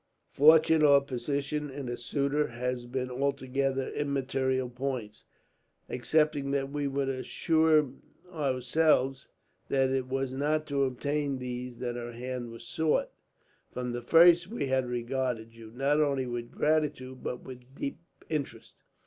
Fortune or position in a suitor have been altogether immaterial points, excepting that we would assure ourselves that it was not to obtain these that her hand was sought. From the first we have regarded you, not only with gratitude, but with deep interest.